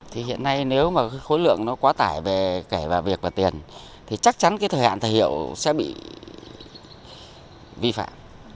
thì hiện nay nếu mà khối lượng nó quá tải về kẻ và việc và tiền thì chắc chắn cái thời hạn thời hiệu sẽ bị vi phạm